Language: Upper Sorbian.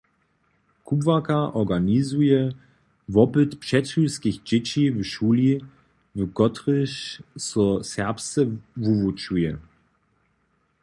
Kubłarka organizuje wopyt předšulskich dźěći w šuli, w kotrejž so serbsce wuwučuje.